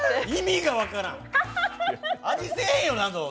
意味が分からん。